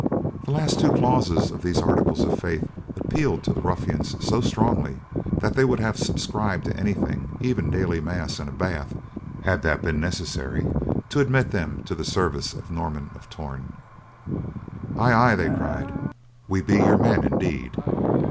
The last two clauses of these articles of faith appealed to the ruffians so strongly that they would have subscribed to anything, even daily mass, and a bath, had that been necessary to admit them to the service of Norman of Torn. "Aye, aye!" they cried. "We be your men, indeed."